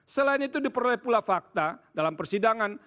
selain itu diperoleh pula fakta dalam persidangan